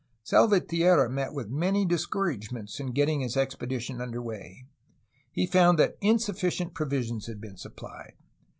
Salvatierra met with many discouragements in getting his expedition under way. He found that insufficient pro visions had been supplied.